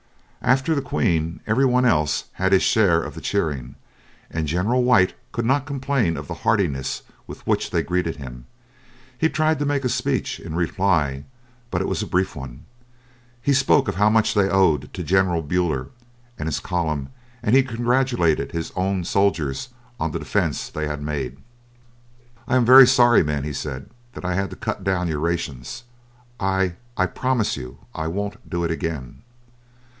After the Queen every one else had his share of the cheering, and General White could not complain of the heartiness with which they greeted him, he tried to make a speech in reply, but it was a brief one. He spoke of how much they owed to General Buller and his column, and he congratulated his own soldiers on the defence they had made. "I am very sorry, men," he said, "that I had to cut down your rations. I I promise you I won't do it again."